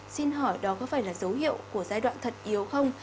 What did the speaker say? xin hỏi đó có phải là dấu hiệu của giai đoạn thật yếu không